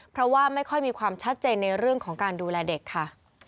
เพราะว่าไม่ค่อยมีความชัดเจนในเรื่องของการดูแลเด็กค่ะ